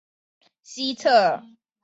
新芬党都柏林总部设于广场西侧。